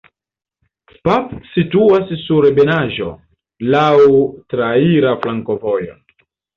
Pap situas sur ebenaĵo, laŭ traira flankovojo.